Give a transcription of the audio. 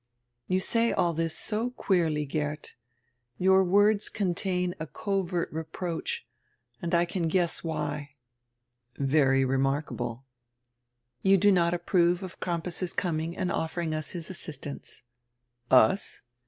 "You say all diis so queerly, Geert. Your words con tain a covert reproach, and I can guess why." "Very remarkable." "You do not approve of Crampas's coming and offering us his assistance." "Us?"